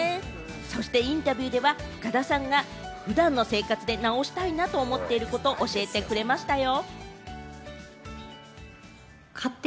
そしてインタビューでは、深田さんが普段の生活で直したいなと思っていることを教えてくれましたよ。